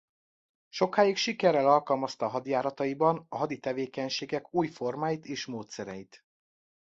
Sokáig sikerrel alkalmazta hadjárataiban a hadi tevékenységek új formáit és módszereit.